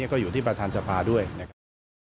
ก็อยู่ที่ประธานสภาด้วยนะครับ